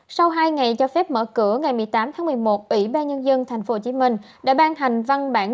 sau hai ngày cho phép mở cửa ngày một mươi tám tháng một mươi một ủy ban nhân dân tp hcm đã ban hành văn bản